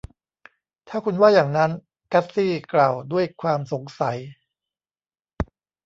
ถ้าคุณว่าอย่างนั้น กัสซี่กล่าวด้วยความสงสัย